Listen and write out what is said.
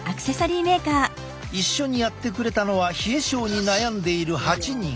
一緒にやってくれたのは冷え症に悩んでいる８人。